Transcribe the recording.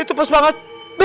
itu pas banget